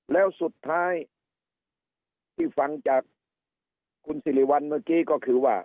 แล้วสุดท้ายที่ฟังจากคุณสิริวัลเมื่อกี้ก็คือว่า